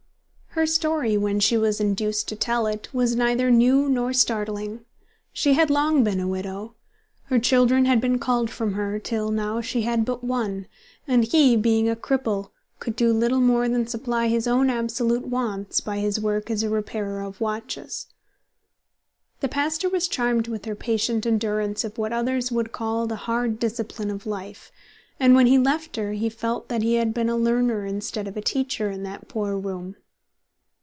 Her story, when she was induced to tell it, was neither new nor startling. She had long been a widow. Her children had been called from her, till now she had but one, and he, being a cripple, could do little more than supply his own absolute wants by his work as a repairer of watches. The pastor was charmed with her patient endurance of what others would call the hard discipline of life, and when he left her he felt that he had been a learner instead of a teacher in that poor room.